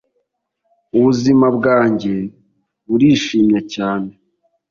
Ubuzima bwanjye burishimye cyane